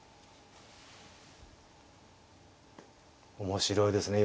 面白いですね。